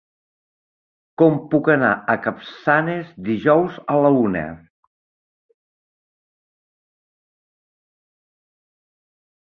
Com puc anar a Capçanes dijous a la una?